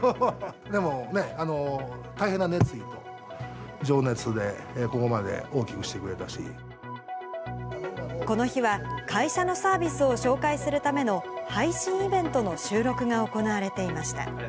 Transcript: でもね、大変な熱意と情熱で、この日は、会社のサービスを紹介するための配信イベントの収録が行われていました。